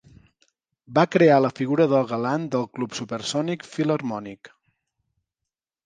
Va crear la figura del galant del club Supersonic Phil Harmonic.